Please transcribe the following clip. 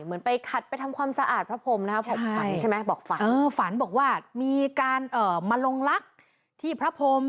เหมือนไปขัดไปทำความสะอาดพระพรมนะครับผมฝันใช่ไหมบอกฝันเออฝันบอกว่ามีการมาลงลักษณ์ที่พระพรม